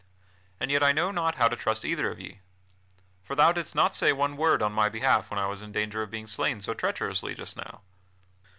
And yet I know not how to trust either of ye. For thou didst not say one word in my behalf when I was in danger of being slain so treacherously just now.